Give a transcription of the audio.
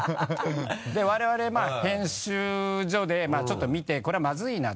で我々編集所でちょっと見てこれはまずいなと。